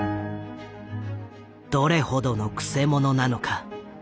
どれほどの曲者なのか。